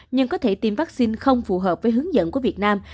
nhưng có thể tiêm vaccine không phù hợp với hướng dẫn của việt nam